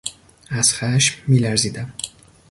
از خشم می لرزیدم.